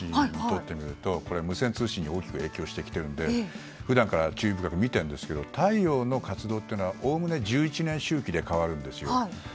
無線通信が大きく影響してきているので普段から注意深く見ているんですが太陽の活動はおおむね１１年周期で変わるんですよ。